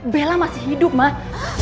bella masih hidup mah